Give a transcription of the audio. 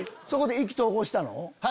そこで意気投合したの？